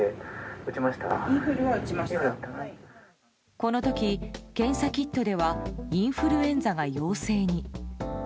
この時、検査キットではインフルエンザが陽性に。